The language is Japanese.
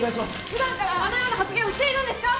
普段からあのような発言をしているんですか？